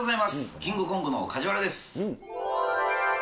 キングコングの梶原です。